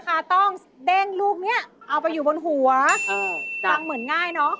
ก็ที่บนหัวพลังเหมือนง่ายเนอะ